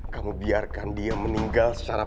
kamu biarkan dia meninggal secara